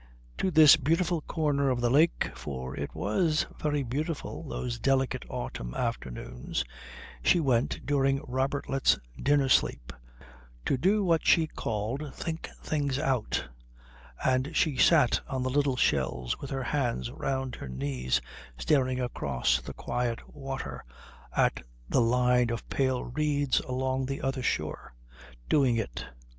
To this beautiful corner of the lake, for it was very beautiful those delicate autumn afternoons, she went during Robertlet's dinner sleep to do what she called think things out; and she sat on the little shells with her hands round her knees, staring across the quiet water at the line of pale reeds along the other shore, doing it.